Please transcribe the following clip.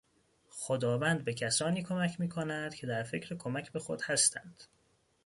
خداوند به کسانی کمک میکند که در فکر کمک به خود هستند.